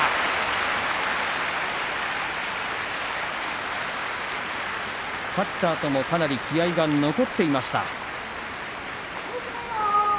拍手勝ったあとも、かなり気合いが残っていました。